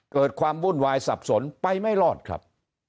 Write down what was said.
เกิดความวุ่นวายสับสนไปไม่รอดครับ